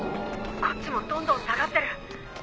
こっちもどんどん下がってる。